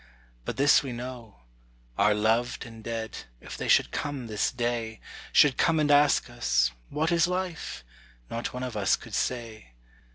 But this we know: Our loved and dead, if they should come this day Should come and ask us, "What is life?" not one of us could say.